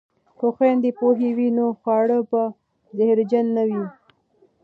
که خویندې پوهې وي نو خواړه به زهرجن نه وي.